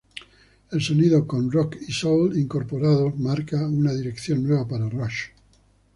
El sonido con "rock" y "soul" incorporados marca una dirección nueva para Rush.